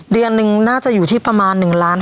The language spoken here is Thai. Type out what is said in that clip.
เดือนหนึ่งน่าจะอยู่ที่ประมาณ๑๕๐๐๐๐๐เชียว